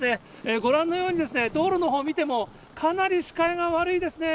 ご覧のようにですね、道路のほう見ても、かなり視界が悪いですね。